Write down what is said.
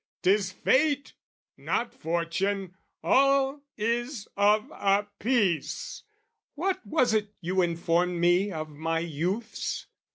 'Tis fate not fortune! All is of a piece! What was it you informed me of my youths?